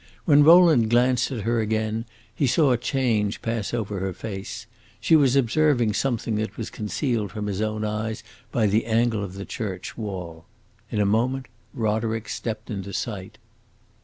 When Rowland glanced at her again he saw a change pass over her face; she was observing something that was concealed from his own eyes by the angle of the church wall. In a moment Roderick stepped into sight.